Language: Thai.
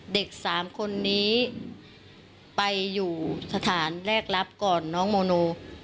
เด็กสามคนนี้ไปอยู่สถานแรกรับก่อนน้องโมโน